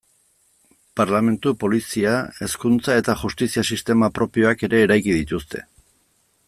Parlementu, polizia, hezkuntza eta justizia sistema propioak ere eraiki dituzte.